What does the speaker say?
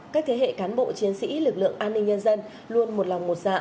các thế hệ cán bộ chiến sĩ lực lượng an ninh nhân dân luôn một lòng một dạ